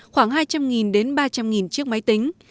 khoảng hai trăm linh đến ba trăm linh chiếc máy tính